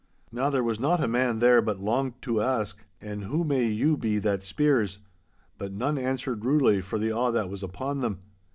Now there was not a man there but longed to ask, 'And who may you be that speers?' But none answered rudely, for the awe that was upon them.